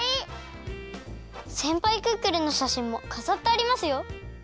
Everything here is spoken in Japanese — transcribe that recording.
せんぱいクックルンのしゃしんもかざってありますよ！